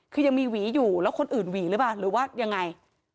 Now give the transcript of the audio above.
คือยังมีหวีอยู่แล้วคนอื่นหวีหรือเปล่าหรือว่ายังไง